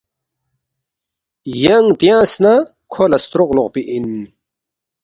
ینگ تیانگس نہ کھو لہ ستروق لوقپی اِن